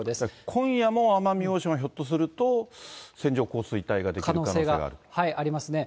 今夜も奄美大島、ひょっとすると、可能性がありますね。